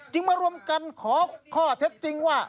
มารวมกันขอข้อเท็จจริงว่า